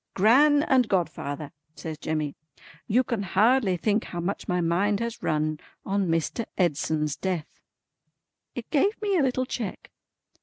"Gran and godfather," says Jemmy, "you can hardly think how much my mind has run on Mr. Edson's death." It gave me a little check.